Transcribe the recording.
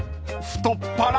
太っ腹］